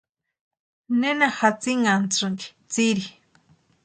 ¿Nena jatsinnhasïnki tsiri?